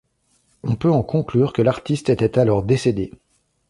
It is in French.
On peut en conclure que l'artiste était alors décédé.